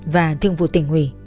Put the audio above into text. và thượng vụ tỉnh hủy